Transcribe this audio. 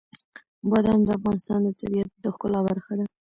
بادام د افغانستان د طبیعت د ښکلا برخه ده.